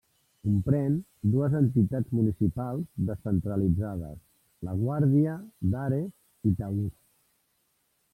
Comprèn dues entitats municipals descentralitzades: la Guàrdia d'Ares i Taús.